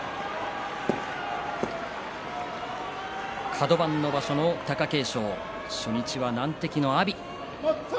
カド番の場所の貴景勝、初日は難敵の阿炎。